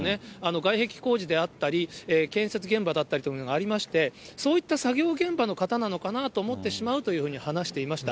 外壁工事であったり、建設現場だったりというのがありまして、そういった作業現場の方なのかなと思ってしまうというふうに話していました。